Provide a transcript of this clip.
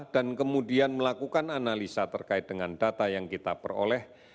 dan kemudian melakukan analisa terkait dengan data yang kita peroleh